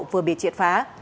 vừa bị triệt phá